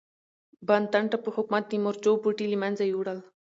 بانتن ټاپو حکومت د مرچو بوټي له منځه یووړل.